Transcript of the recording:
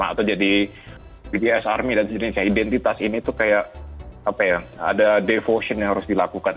atau jadi bps army dan sebagainya identitas ini tuh kayak apa ya ada devotion yang harus dilakukan